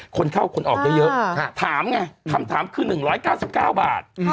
คนเข้าคนออกเยอะถามไงคำถามคือ๑๙๙บาท